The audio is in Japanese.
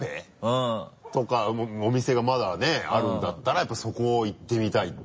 うん。とかお店がまだねあるんだったらやっぱそこを行ってみたいっていうのが。